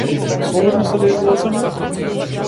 Слободна си да излеземе?